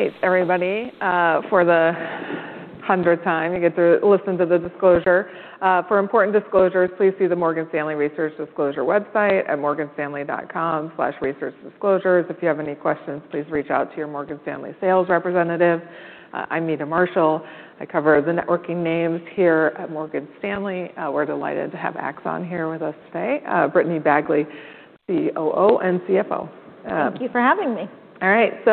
Hey, everybody. For the 100th time, you get to listen to the disclosure. For important disclosures, please see the Morgan Stanley Research Disclosure website at morganstanley.com/researchdisclosures. If you have any questions, please reach out to your Morgan Stanley sales representative. I'm Meta Marshall. I cover the networking names here at Morgan Stanley. We're delighted to have Axon here with us today. Brittany Bagley, COO and CFO. Thank you for having me. All right.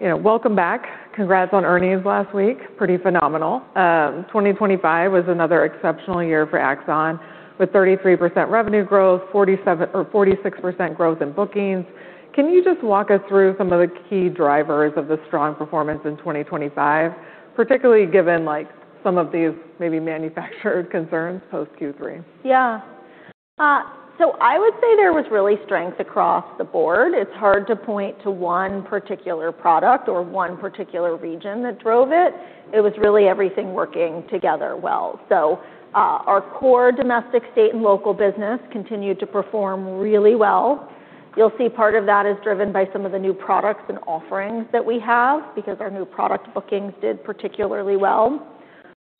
You know, welcome back. Congrats on earnings last week. Pretty phenomenal. 2025 was another exceptional year for Axon with 33% revenue growth, 46% growth in bookings. Can you just walk us through some of the key drivers of the strong performance in 2025, particularly given, like, some of these maybe manufactured concerns post Q3? I would say there was really strength across the board. It's hard to point to one particular product or one particular region that drove it. It was really everything working together well. Our core domestic state and local business continued to perform really well. You'll see part of that is driven by some of the new products and offerings that we have because our new product bookings did particularly well.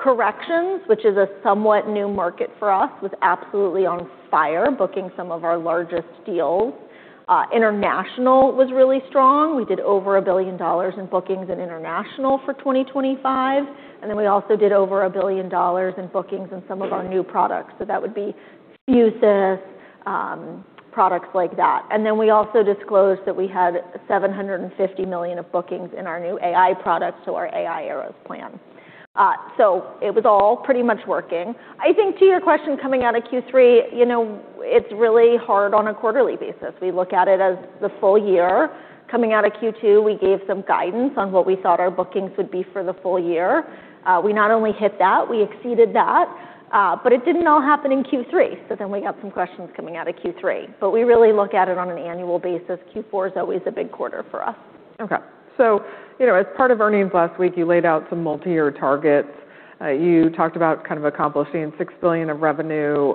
Corrections, which is a somewhat new market for us, was absolutely on fire, booking some of our largest deals. International was really strong. We did over $1 billion in bookings in international for 2025, and then we also did over $1 billion in bookings in some of our new products. That would be Fusus, products like that. We also disclosed that we had $750 million of bookings in our new AI products, so our AI Era Plan. It was all pretty much working. I think to your question coming out of Q3, you know, it's really hard on a quarterly basis. We look at it as the full year. Coming out of Q2, we gave some guidance on what we thought our bookings would be for the full year. We not only hit that, we exceeded that, but it didn't all happen in Q3. We got some questions coming out of Q3. We really look at it on an annual basis. Q4 is always a big quarter for us. Okay. you know, as part of earnings last week, you laid out some multi-year targets. You talked about kind of accomplishing $6 billion of revenue,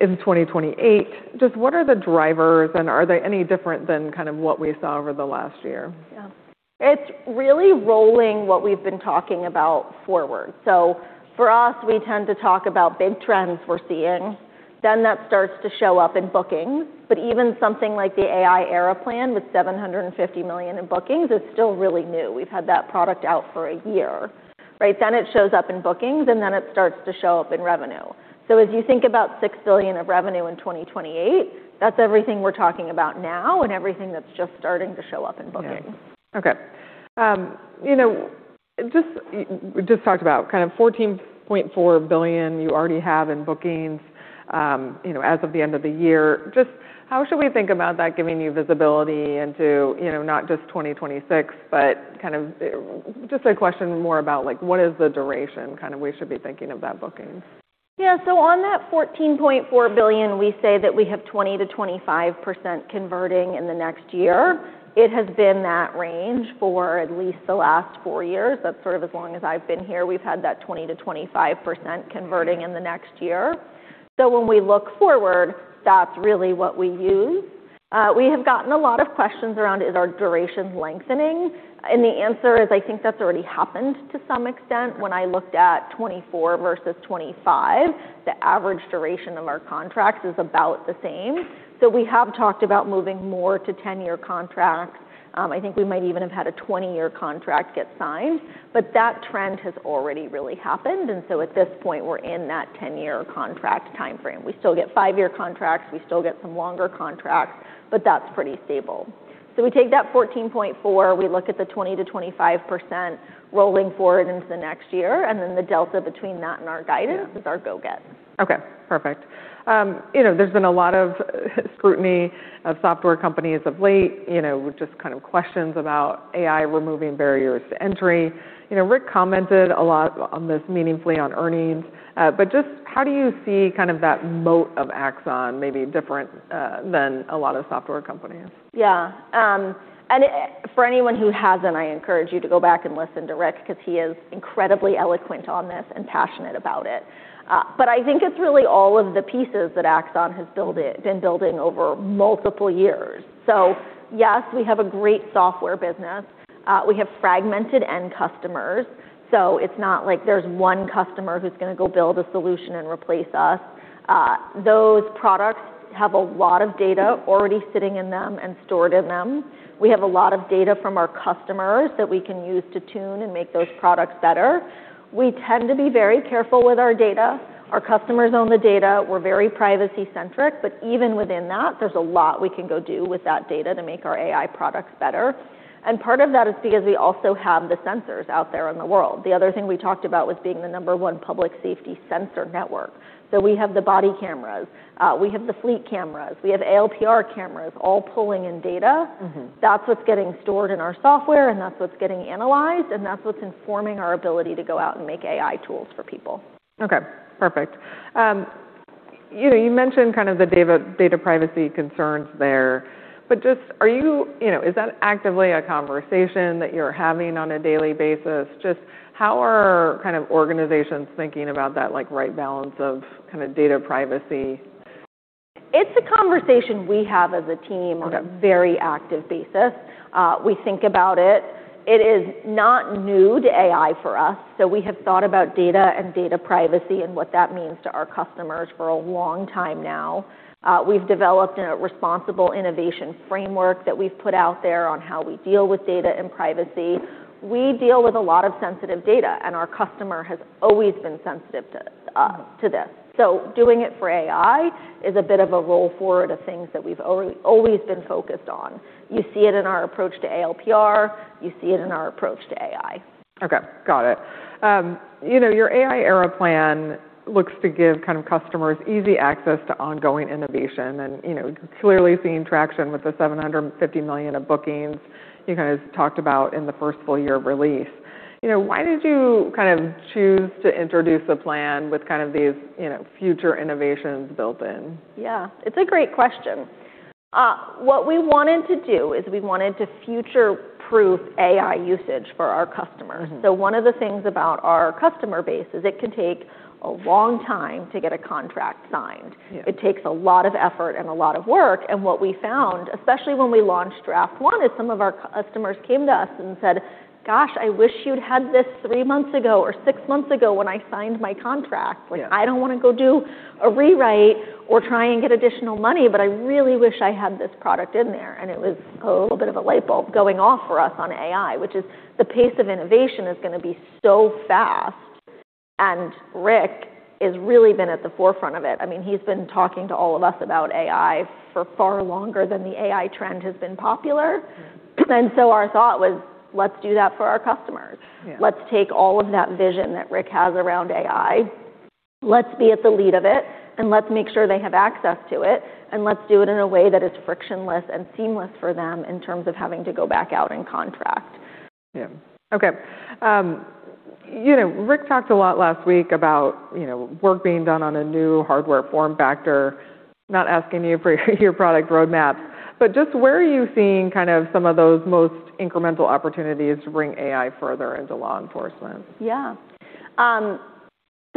in 2028. Just what are the drivers, and are they any different than kind of what we saw over the last year? Yeah. It's really rolling what we've been talking about forward. For us, we tend to talk about big trends we're seeing. That starts to show up in bookings. Even something like the AI Era Plan with $750 million in bookings is still really new. We've had that product out for a year, right? It shows up in bookings. It starts to show up in revenue. As you think about $6 billion of revenue in 2028, that's everything we're talking about now and everything that's just starting to show up in bookings. Okay. you know, just talked about kind of $14.4 billion you already have in bookings, you know, as of the end of the year. Just how should we think about that giving you visibility into, you know, not just 2026, but Just a question more about, like, what is the duration, kind of, we should be thinking of that booking? Yeah. On that $14.4 billion, we say that we have 20%-25% converting in the next year. It has been that range for at least the last four years. That's sort of as long as I've been here. We've had that 20%-25% converting in the next year. When we look forward, that's really what we use. We have gotten a lot of questions around is our durations lengthening, and the answer is I think that's already happened to some extent. When I looked at 2024 versus 2025, the average duration of our contracts is about the same. We have talked about moving more to 10-year contracts. I think we might even have had a 20-year contract get signed, but that trend has already really happened, and so at this point, we're in that 10-year contract timeframe. We still get five-year contracts. We still get some longer contracts, but that's pretty stable. We take that 14.4, we look at the 20%-25% rolling forward into the next year, and then the delta between that and our guidance. Yeah. Is our go-get. Okay, perfect. You know, there's been a lot of scrutiny of software companies of late. You know, just kind of questions about AI removing barriers to entry. You know, Rick commented a lot on this meaningfully on earnings. Just how do you see kind of that moat of Axon maybe different than a lot of software companies? Yeah. For anyone who hasn't, I encourage you to go back and listen to Rick because he is incredibly eloquent on this and passionate about it. I think it's really all of the pieces that Axon has been building over multiple years. Yes, we have a great software business. We have fragmented end customers, it's not like there's one customer who's gonna go build a solution and replace us. Those products have a lot of data already sitting in them and stored in them. We have a lot of data from our customers that we can use to tune and make those products better. We tend to be very careful with our data. Our customers own the data. We're very privacy-centric, even within that, there's a lot we can go do with that data to make our AI products better. Part of that is because we also have the sensors out there in the world. The other thing we talked about was being the number one public safety sensor network. We have the body cameras, we have the Fleet cameras, we have ALPR cameras all pulling in data. That's what's getting stored in our software, and that's what's getting analyzed, and that's what's informing our ability to go out and make AI tools for people. Okay, perfect. You know, you mentioned kind of the data privacy concerns there, but just, you know, is that actively a conversation that you're having on a daily basis? Just how are kind of organizations thinking about that, like, right balance of kinda data privacy? It's a conversation we have as a team. Okay.... On a very active basis. We think about it. It is not new to AI for us, so we have thought about data and data privacy and what that means to our customers for a long time now. We've developed a responsible innovation framework that we've put out there on how we deal with data and privacy. We deal with a lot of sensitive data, and our customer has always been sensitive to this. Doing it for AI is a bit of a roll forward of things that we've always been focused on. You see it in our approach to ALPR. You see it in our approach to AI. Okay. Got it. You know, your AI Era Plan looks to give kind of customers easy access to ongoing innovation and, you know, clearly seeing traction with the $750 million of bookings you guys talked about in the first full year of release. You know, why did you kind of choose to introduce a plan with kind of these, you know, future innovations built in? Yeah. It's a great question. What we wanted to do is we wanted to future-proof AI usage for our customers. One of the things about our customer base is it can take a long time to get a contract signed. Yeah. It takes a lot of effort and a lot of work. What we found, especially when we launched Draft One, is some of our customers came to us and said, "Gosh, I wish you'd had this three months ago or six months ago when I signed my contract. Yeah. I don't wanna go do a rewrite or try and get additional money, but I really wish I had this product in there. It was a little bit of a light bulb going off for us on AI, which is the pace of innovation is gonna be so fast, and Rick has really been at the forefront of it. I mean, he's been talking to all of us about AI for far longer than the AI trend has been popular. Our thought was, let's do that for our customers. Yeah. Let's take all of that vision that Rick has around AI, let's be at the lead of it, and let's make sure they have access to it, and let's do it in a way that is frictionless and seamless for them in terms of having to go back out and contract. Yeah. Okay. You know, Rick talked a lot last week about, you know, work being done on a new hardware form factor, not asking you for your product roadmap, but just where are you seeing kind of some of those most incremental opportunities to bring AI further into law enforcement?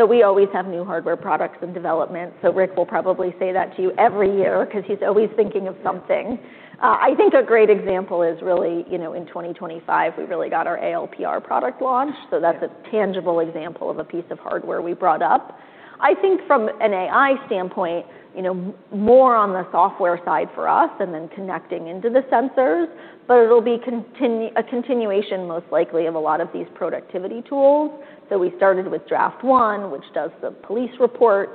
We always have new hardware products in development, Rick will probably say that to you every year 'cause he's always thinking of something. I think a great example is really, you know, in 2025, we really got our ALPR product launched. Yeah. That's a tangible example of a piece of hardware we brought up. I think from an AI standpoint, you know, more on the software side for us and then connecting into the sensors, but it'll be a continuation most likely of a lot of these productivity tools. We started with Draft One, which does the police reports.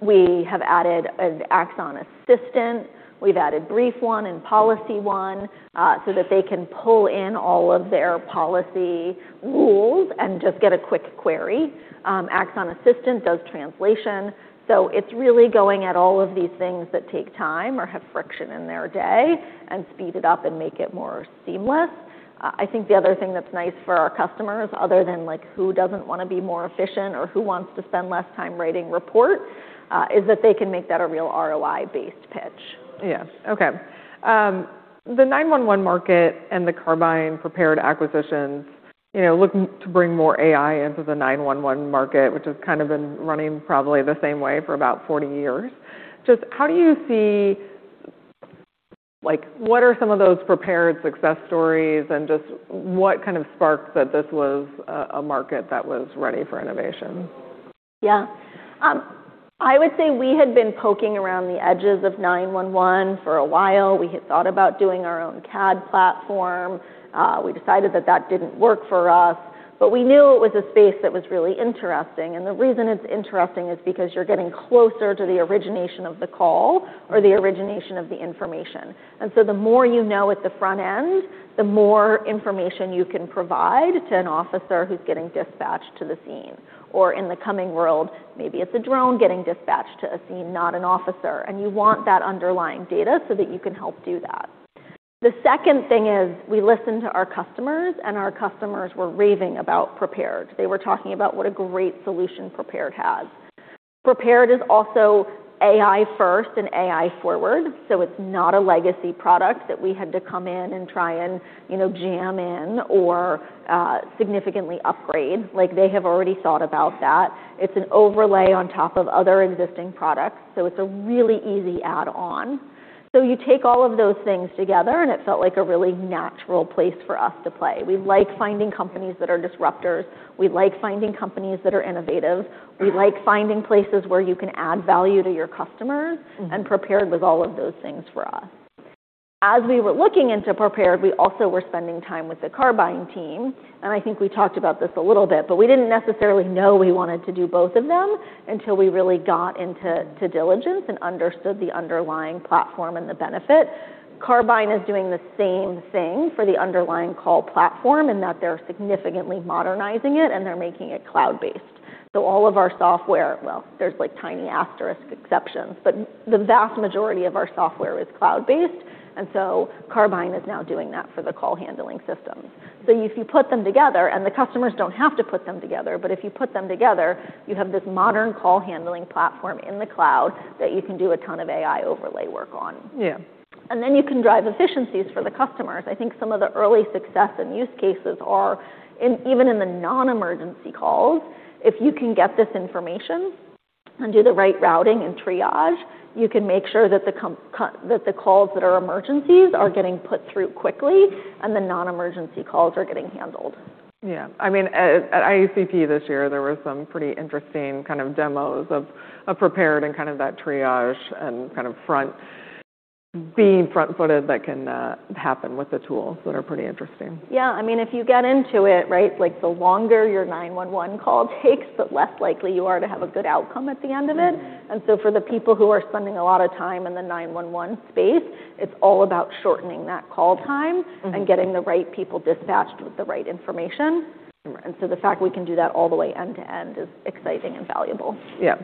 We have added an Axon Assistant. We've added Brief One and Policy Chat, so that they can pull in all of their policy rules and just get a quick query. Axon Assistant does translation. It's really going at all of these things that take time or have friction in their day and speed it up and make it more seamless. I think the other thing that's nice for our customers other than, like, who doesn't wanna be more efficient or who wants to spend less time writing reports, is that they can make that a real ROI-based pitch. Yeah. Okay. The 911 market and the Carbyne Prepared acquisitions, you know, looking to bring more AI into the 911 market, which has kind of been running probably the same way for about 40 years. Like, what are some of those Prepared success stories and just what kind of sparked that this was a market that was ready for innovation? Yeah. I would say we had been poking around the edges of 9-1-1 for a while. We had thought about doing our own CAD platform. We decided that that didn't work for us. We knew it was a space that was really interesting. The reason it's interesting is because you're getting closer to the origination of the call or the origination of the information. The more you know at the front end, the more information you can provide to an officer who's getting dispatched to the scene. In the coming world, maybe it's a drone getting dispatched to a scene, not an officer. You want that underlying data so that you can help do that. The second thing is we listened to our customers. Our customers were raving about Prepared. They were talking about what a great solution Prepared has. Prepared is also AI first and AI forward, so it's not a legacy product that we had to come in and try and, you know, jam in or significantly upgrade. Like, they have already thought about that. It's an overlay on top of other existing products, so it's a really easy add-on. You take all of those things together, and it felt like a really natural place for us to play. We like finding companies that are disruptors. We like finding companies that are innovative. We like finding places where you can add value to your customers. Prepared was all of those things for us. As we were looking into Prepared, we also were spending time with the Carbyne team, and I think we talked about this a little bit, but we didn't necessarily know we wanted to do both of them until we really got into diligence and understood the underlying platform and the benefit. Carbyne is doing the same thing for the underlying call platform in that they're significantly modernizing it, and they're making it cloud based. All of our software. Well, there's, like, tiny asterisk exceptions, but the vast majority of our software is cloud based, and so Carbyne is now doing that for the call handling systems. If you put them together, and the customers don't have to put them together, but if you put them together, you have this modern call handling platform in the cloud that you can do a ton of AI overlay work on. Yeah. You can drive efficiencies for the customers. I think some of the early success and use cases are even in the non-emergency calls, if you can get this information And do the right routing and triage, you can make sure that the calls that are emergencies are getting put through quickly, and the non-emergency calls are getting handled. Yeah. I mean, at IACP this year, there were some pretty interesting kind of demos of Prepared and kind of that triage and kind of being front-footed that can happen with the tools that are pretty interesting. I mean, if you get into it, right, like the longer your 911 call takes, the less likely you are to have a good outcome at the end of it. For the people who are spending a lot of time in the 9-1-1 space, it's all about shortening that call time. Getting the right people dispatched with the right information. Right. The fact we can do that all the way end to end is exciting and valuable. Yeah.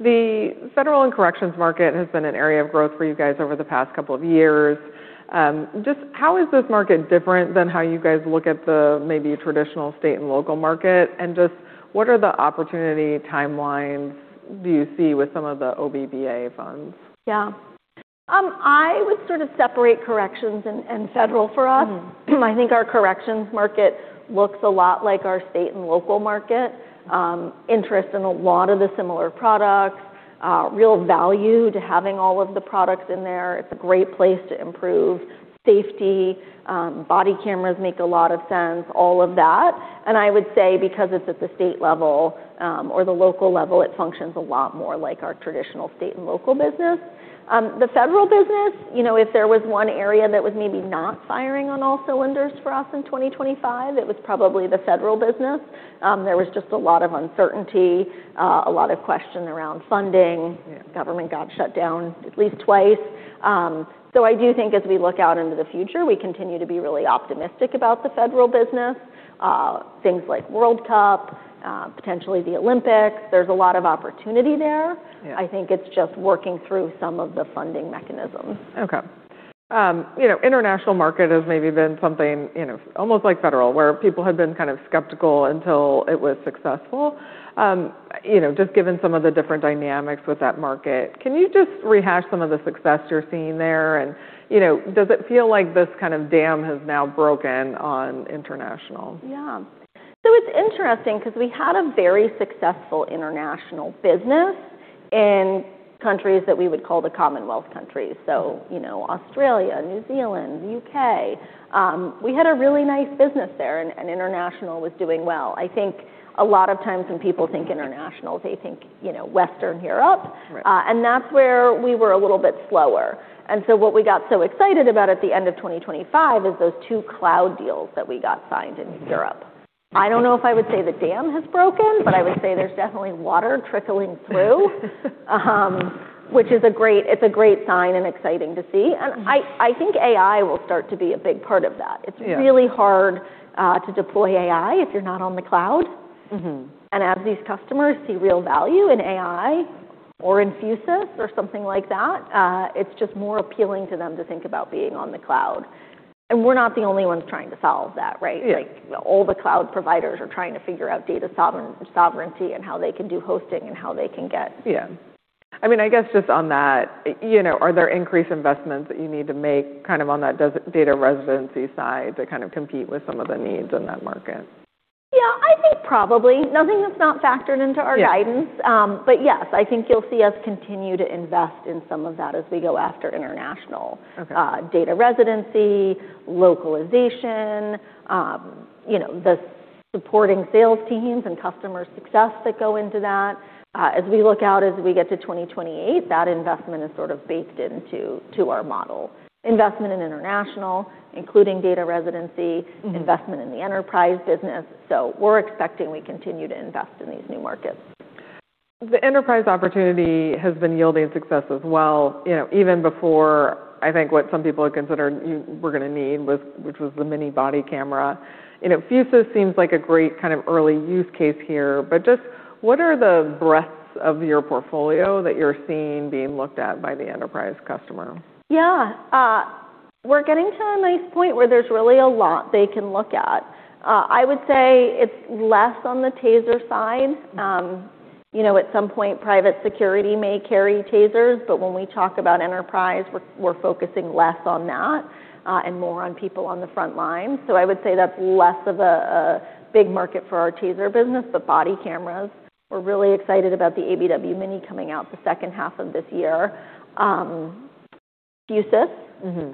The federal and corrections market has been an area of growth for you guys over the past couple of years. Just how is this market different than how you guys look at the maybe traditional state and local market? Just what are the opportunity timelines do you see with some of the OBBA funds? I would sort of separate corrections and federal for us. I think our corrections market looks a lot like our state and local market. Interest in a lot of the similar products, real value to having all of the products in there. It's a great place to improve safety. Body cameras make a lot of sense, all of that. I would say because it's at the state level, or the local level, it functions a lot more like our traditional state and local business. The federal business, you know, if there was one area that was maybe not firing on all cylinders for us in 2025, it was probably the federal business. There was just a lot of uncertainty, a lot of question around funding. Yeah. Government got shut down at least twice. I do think as we look out into the future, we continue to be really optimistic about the federal business. Things like World Cup, potentially the Olympics, there's a lot of opportunity there. Yeah. I think it's just working through some of the funding mechanisms. Okay. You know, international market has maybe been something, you know, almost like federal, where people had been kind of skeptical until it was successful. You know, just given some of the different dynamics with that market, can you just rehash some of the success you're seeing there? You know, does it feel like this kind of dam has now broken on international? Yeah. It's interesting because we had a very successful international business in countries that we would call the Commonwealth countries. You know, Australia, New Zealand, the U.K.. We had a really nice business there, and international was doing well. I think a lot of times when people think international, they think, you know, Western Europe. Right. That's where we were a little bit slower. What we got so excited about at the end of 2025 is those two cloud deals that we got signed in Europe. I don't know if I would say the dam has broken, but I would say there's definitely water trickling through. Which is a great, it's a great sign and exciting to see. I think AI will start to be a big part of that. Yeah. It's really hard, to deploy AI if you're not on the cloud. As these customers see real value in AI or in Fusus or something like that, it's just more appealing to them to think about being on the cloud. We're not the only ones trying to solve that, right? Yeah. Like, all the cloud providers are trying to figure out data sovereignty and how they can do hosting and how they can get... Yeah. I mean, I guess just on that, you know, are there increased investments that you need to make kind of on that data residency side to kind of compete with some of the needs in that market? Yeah, I think probably. Nothing that's not factored into our guidance. Yeah. Yes, I think you'll see us continue to invest in some of that as we go after international. Okay. Data residency, localization, you know, the supporting sales teams and customer success that go into that. As we look out as we get to 2028, that investment is sort of baked into our model. Investment in international, including data residency. Investment in the enterprise business. we're expecting we continue to invest in these new markets. The enterprise opportunity has been yielding success as well, you know, even before I think what some people had considered you're gonna need was, which was the mini body camera. You know, Fusus seems like a great kind of early use case here, but just what are the breadths of your portfolio that you're seeing being looked at by the enterprise customer? Yeah. We're getting to a nice point where there's really a lot they can look at. I would say it's less on the TASER side. You know, at some point, private security may carry TASERs, but when we talk about enterprise, we're focusing less on that and more on people on the front line. I would say that's less of a big market for our TASER business, but body cameras, we're really excited about the ABW Mini coming out the second half of this year.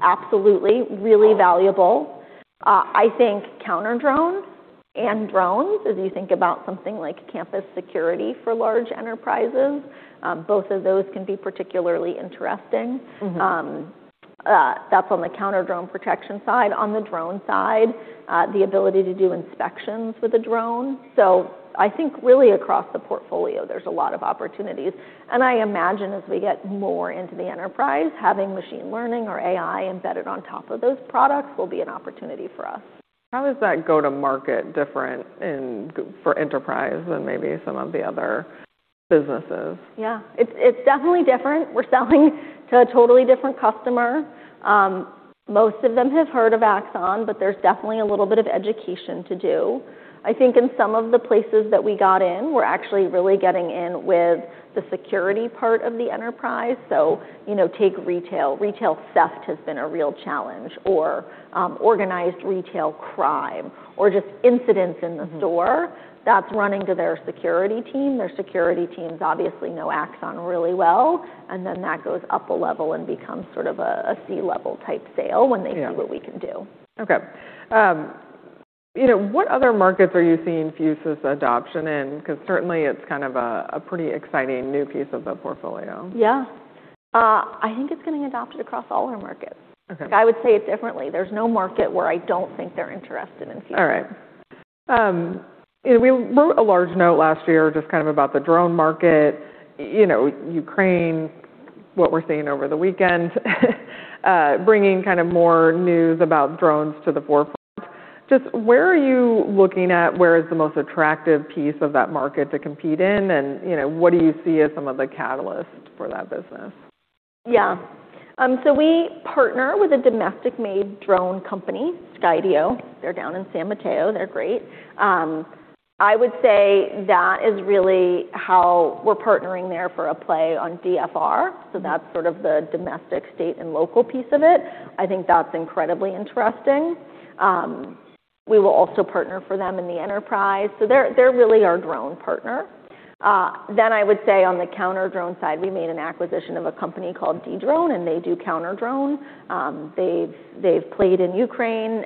Absolutely really valuable. I think counter-drone and drones, as you think about something like campus security for large enterprises, both of those can be particularly interesting. That's on the counter-drone protection side. On the drone side, the ability to do inspections with a drone. I think really across the portfolio, there's a lot of opportunities. I imagine as we get more into the enterprise, having machine learning or AI embedded on top of those products will be an opportunity for us. How does that go to market different in, for enterprise than maybe some of the other businesses? Yeah. It's definitely different. We're selling to a totally different customer. Most of them have heard of Axon, but there's definitely a little bit of education to do. I think in some of the places that we got in, we're actually really getting in with the security part of the enterprise. You know, take retail. Retail theft has been a real challenge, or organized retail crime, or just incidents in the store. That's running to their security team. Their security teams obviously know Axon really well. That goes up a level and becomes sort of a C-level type sale. Yeah. See what we can do. Okay. you know, what other markets are you seeing Fusus's adoption in? certainly it's kind of a pretty exciting new piece of the portfolio. Yeah. I think it's gonna get adopted across all our markets. Okay. Like I would say it differently. There's no market where I don't think they're interested in Fusus. All right. you know, we wrote a large note last year just kind of about the drone market. You know, Ukraine, what we're seeing over the weekend, bringing kind of more news about drones to the forefront. Just where are you looking at where is the most attractive piece of that market to compete in? You know, what do you see as some of the catalysts for that business? Yeah. We partner with a domestic-made drone company, Skydio. They're down in San Mateo. They're great. I would say that is really how we're partnering there for a play on DFR. That's sort of the domestic, state, and local piece of it. I think that's incredibly interesting. We will also partner for them in the enterprise. They're really our drone partner. I would say on the counter-drone side, we made an acquisition of a company called Dedrone, and they do counter-drone. They've played in Ukraine,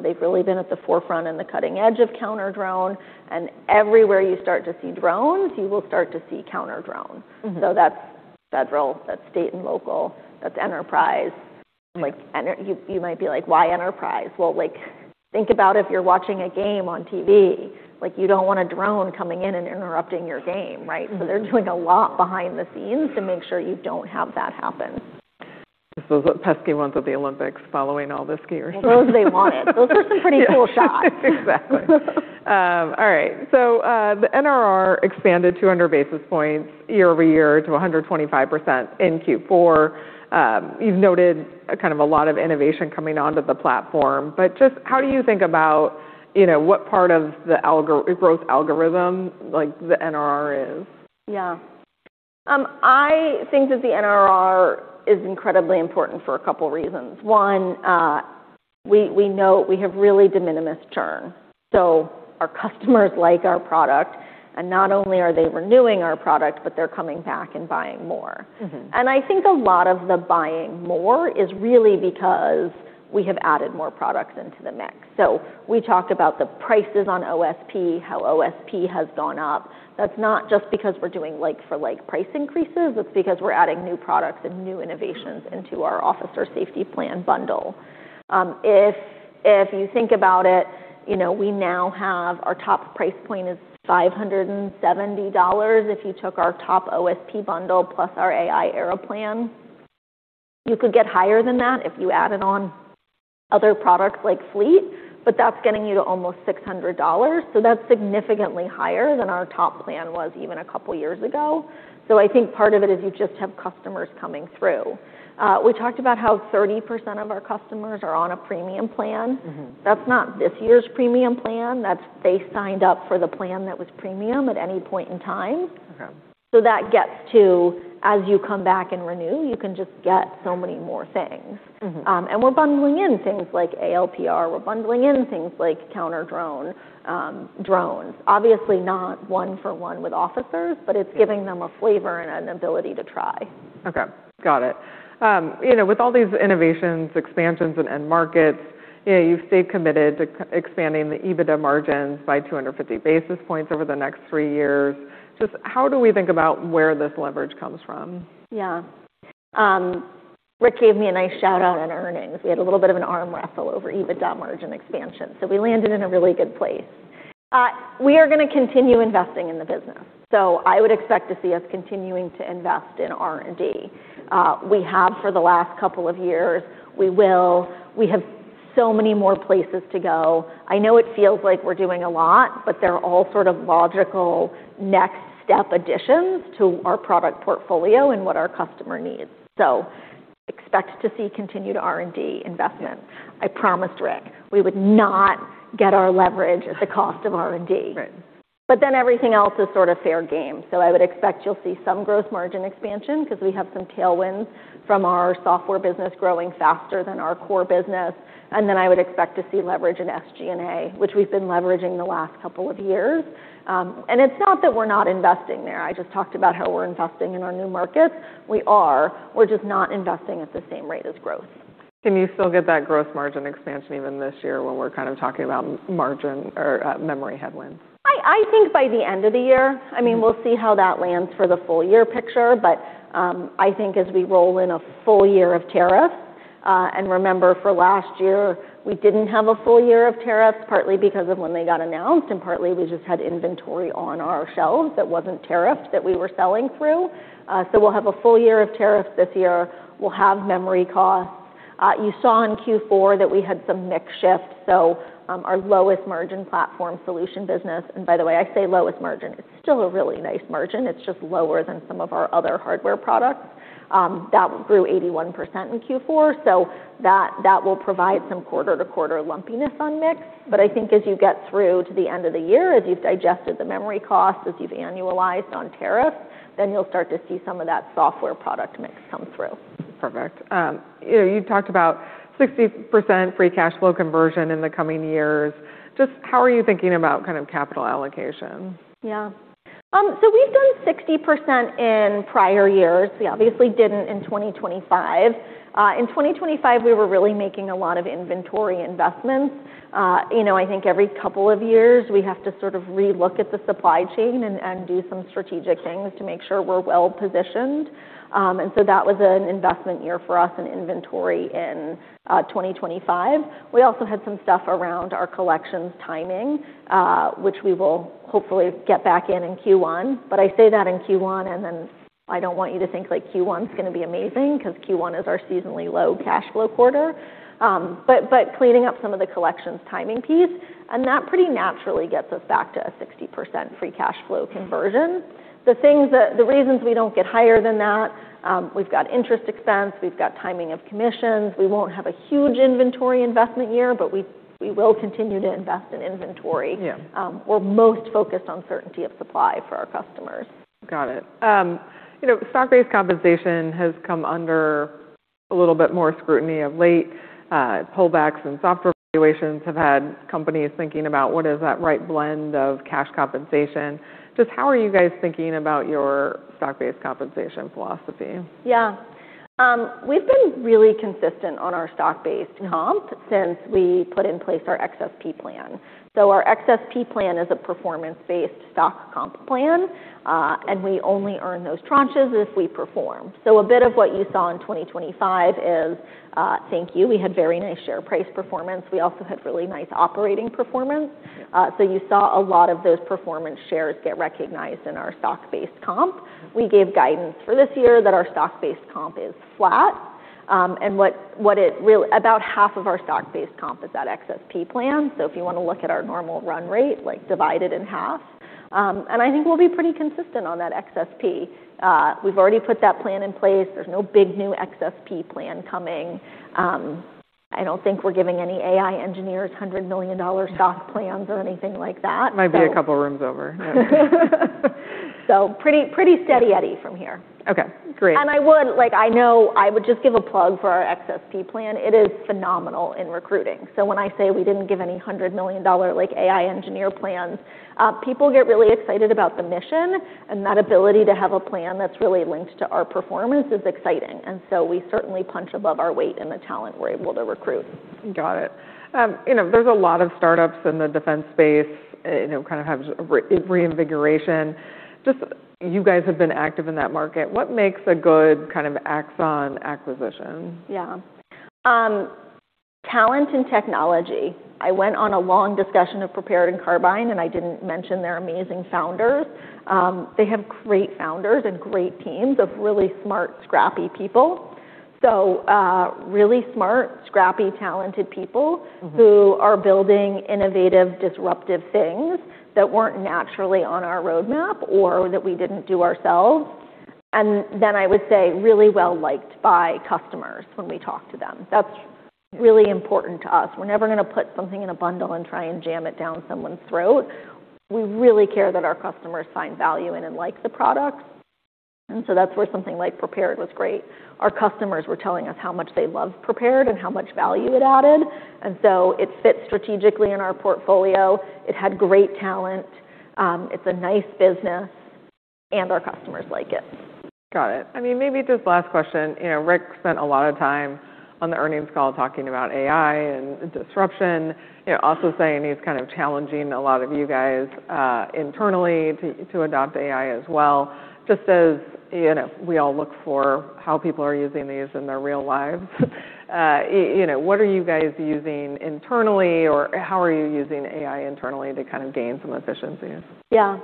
they've really been at the forefront and the cutting edge of counter-drone, and everywhere you start to see drones, you will start to see counter-drone. That's federal, that's state and local, that's enterprise. Yeah. You might be like, "Why enterprise?" Well, like, think about if you're watching a game on TV, like you don't want a drone coming in and interrupting your game, right? They're doing a lot behind the scenes to make sure you don't have that happen. Just those pesky ones at the Olympics following all the skiers. Well, those they wanted. Those were some pretty cool shots. Exactly. All right. The NRR expanded 200 basis points year-over-year to 125% in Q4. You've noted a kind of a lot of innovation coming onto the platform, but just how do you think about, you know, what part of the growth algorithm like the NRR is? Yeah. I think that the NRR is incredibly important for a couple reasons. One, we know we have really de minimis churn. Our customers like our product. Not only are they renewing our product, but they're coming back and buying more. I think a lot of the buying more is really because we have added more products into the mix. We talked about the prices on OSP, how OSP has gone up. That's not just because we're doing like for like price increases, it's because we're adding new products and new innovations into our Officer Safety Plan bundle. If you think about it, you know, we now have our top price point is $570 if you took our top OSP bundle plus our AI Era Plan. You could get higher than that if you added on other products like Fleet, but that's getting you to almost $600, so that's significantly higher than our top plan was even a couple years ago. I think part of it is you just have customers coming through. We talked about how 30% of our customers are on a premium plan. That's not this year's premium plan. That's they signed up for the plan that was premium at any point in time. Okay. That gets to, as you come back and renew, you can just get so many more things. We're bundling in things like ALPR. We're bundling in things like counter-drone drones. Obviously not one for one with officers. Yeah.... But it's giving them a flavor and an ability to try. Okay. Got it. you know, with all these innovations, expansions, and end markets, you know, you've stayed committed to expanding the EBITDA margins by 250 basis points over the next three years. Just how do we think about where this leverage comes from? Yeah. Rick gave me a nice shout-out on earnings. We had a little bit of an arm wrestle over EBITDA margin expansion. We landed in a really good place. We are gonna continue investing in the business. I would expect to see us continuing to invest in R&D. We have for the last couple of years. We will. We have so many more places to go. I know it feels like we're doing a lot, but they're all sort of logical next step additions to our product portfolio and what our customer needs. Expect to see continued R&D investment. I promised Rick we would not get our leverage at the cost of R&D. Right. Everything else is sort of fair game. I would expect you'll see some gross margin expansion 'cause we have some tailwinds from our software business growing faster than our core business. I would expect to see leverage in SG&A, which we've been leveraging the last couple of years. It's not that we're not investing there. I just talked about how we're investing in our new markets. We are. We're just not investing at the same rate as growth. Can you still get that gross margin expansion even this year when we're kind of talking about margin or memory headwinds? I think by the end of the year. I mean, we'll see how that lands for the full year picture. I think as we roll in a full year of tariffs, remember for last year we didn't have a full year of tariffs, partly because of when they got announced and partly we just had inventory on our shelves that wasn't tariffed that we were selling through. We'll have a full year of tariffs this year. We'll have memory costs. You saw in Q4 that we had some mix shift. Our lowest margin platform solution business, by the way, I say lowest margin. It's still a really nice margin. It's just lower than some of our other hardware products. That grew 81% in Q4, so that will provide some quarter-to-quarter lumpiness on mix. I think as you get through to the end of the year, as you've digested the memory cost, as you've annualized on tariff, then you'll start to see some of that software product mix come through. Perfect. you know, you've talked about 60% free cash flow conversion in the coming years. Just how are you thinking about kind of capital allocation? Yeah. We've done 60% in prior years. We obviously didn't in 2025. In 2025, we were really making a lot of inventory investments. You know, I think every couple of years, we have to sort of relook at the supply chain and do some strategic things to make sure we're well-positioned. That was an investment year for us in inventory in 2025. We also had some stuff around our collections timing, which we will hopefully get back in Q1. I say that in Q1, I don't want you to think like Q1's gonna be amazing 'cause Q1 is our seasonally low cash flow quarter. But cleaning up some of the collections timing piece, that pretty naturally gets us back to a 60% free cash flow conversion. The reasons we don't get higher than that, we've got interest expense, we've got timing of commissions. We won't have a huge inventory investment year, but we will continue to invest in inventory. Yeah. We're most focused on certainty of supply for our customers. Got it. You know, stock-based compensation has come under a little bit more scrutiny of late. Pullbacks and software valuations have had companies thinking about what is that right blend of cash compensation. Just how are you guys thinking about your stock-based compensation philosophy? Yeah. We've been really consistent on our stock-based comp since we put in place our XSP plan. Our XSP plan is a performance-based stock comp plan, and we only earn those tranches if we perform. A bit of what you saw in 2025 is, thank you, we had very nice share price performance. We also had really nice operating performance. You saw a lot of those performance shares get recognized in our stock-based comp. We gave guidance for this year that our stock-based comp is flat. About half of our stock-based comp is that XSP plan. If you wanna look at our normal run rate, like divide it in half. I think we'll be pretty consistent on that XSP. We've already put that plan in place. There's no big new XSP plan coming. I don't think we're giving any AI engineers $100 million stock plans or anything like that. Might be a couple rooms over. Yeah. Pretty, pretty steady Eddie from here. Okay. Great. Like, I know I would just give a plug for our XSP plan. It is phenomenal in recruiting. When I say we didn't give any $100 million like AI engineer plans, people get really excited about the mission, and that ability to have a plan that's really linked to our performance is exciting. We certainly punch above our weight in the talent we're able to recruit. Got it. you know, there's a lot of startups in the defense space. You know, kind of have reinvigoration. Just you guys have been active in that market. What makes a good kind of Axon acquisition? Yeah. Talent and technology. I went on a long discussion of Prepared and Carbyne, I didn't mention their amazing founders. They have great founders and great teams of really smart, scrappy people. Really smart, scrappy, talented people who are building innovative, disruptive things that weren't naturally on our roadmap or that we didn't do ourselves, I would say really well-liked by customers when we talk to them. That's really important to us. We're never gonna put something in a bundle and try and jam it down someone's throat. We really care that our customers find value in and like the products, that's where something like Prepared was great. Our customers were telling us how much they loved Prepared and how much value it added, it fit strategically in our portfolio. It had great talent. It's a nice business, and our customers like it. Got it. I mean, maybe just last question. You know, Rick spent a lot of time on the earnings call talking about AI and disruption. You know, also saying he's kind of challenging a lot of you guys, internally to adopt AI as well. Just as, you know, we all look for how people are using these in their real lives, you know, what are you guys using internally or how are you using AI internally to kind of gain some efficiencies? Yeah.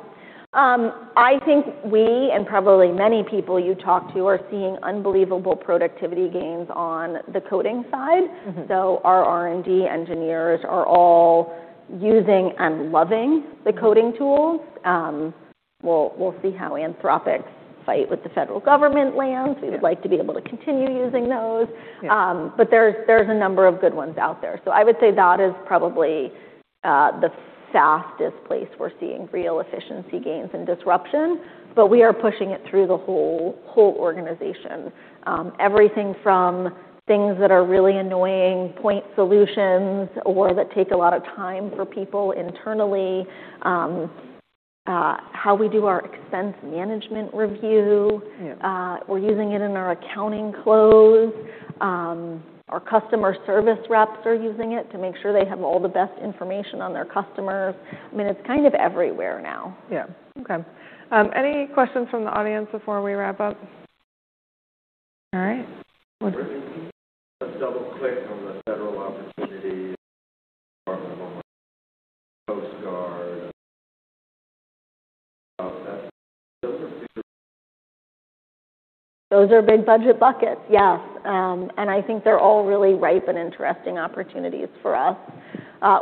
I think we, and probably many people you talk to, are seeing unbelievable productivity gains on the coding side. Our R&D engineers are all using and loving the coding tools. We'll see how Anthropic's fight with the federal government lands. Yeah. We would like to be able to continue using those. Yeah. There's a number of good ones out there. I would say that is probably the fastest place we're seeing real efficiency gains and disruption. We are pushing it through the whole organization. Everything from things that are really annoying point solutions or that take a lot of time for people internally, how we do our expense management review. Yeah. We're using it in our accounting close. Our customer service reps are using it to make sure they have all the best information on their customers. I mean, it's kind of everywhere now. Yeah. Okay. Any questions from the audience before we wrap up? All right. Brittany, let's double-click on the federal opportunities, Department of Homeland, Coast Guard. How's that different? Those are big budget buckets, yes. I think they're all really ripe and interesting opportunities for us.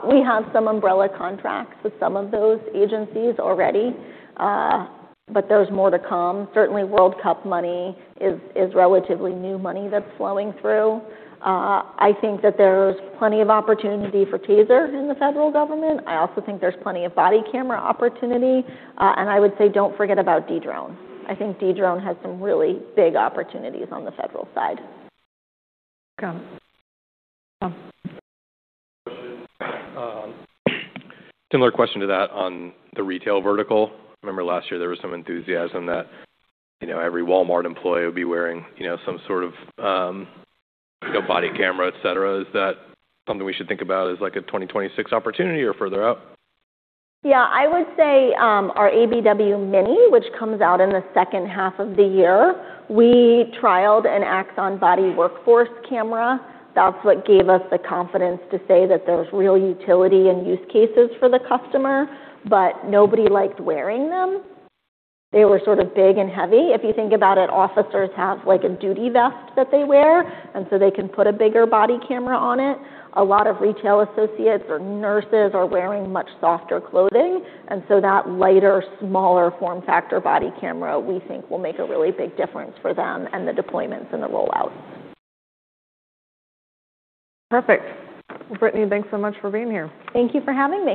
We have some umbrella contracts with some of those agencies already. There's more to come. Certainly, World Cup money is relatively new money that's flowing through. I think that there's plenty of opportunity for TASER in the federal government. I also think there's plenty of body camera opportunity. I would say don't forget about Dedrone. I think Dedrone has some really big opportunities on the federal side. Got it. Similar question to that on the retail vertical. I remember last year there was some enthusiasm that, you know, every Walmart employee would be wearing, you know, some sort of, you know, body camera, et cetera. Is that something we should think about as like a 2026 opportunity or further out? Yeah. I would say, our ABW Mini, which comes out in the second half of the year, we trialed an Axon Body Workforce camera. That's what gave us the confidence to say that there's real utility and use cases for the customer. Nobody liked wearing them. They were sort of big and heavy. If you think about it, officers have like a duty vest that they wear. They can put a bigger body camera on it. A lot of retail associates or nurses are wearing much softer clothing. That lighter, smaller form factor body camera we think will make a really big difference for them and the deployments and the rollout. Perfect. Brittany, thanks so much for being here. Thank you for having me.